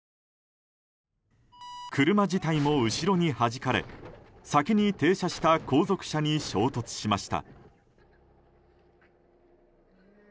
車自体も後ろにはじかれ先に停車した後続車に衝突しました。